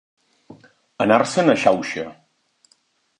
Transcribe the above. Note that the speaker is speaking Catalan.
Anar-se'n a Xauxa.